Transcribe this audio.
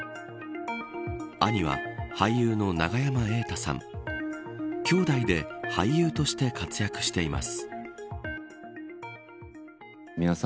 兄は俳優の永山瑛太さん兄弟で俳優として活躍しています。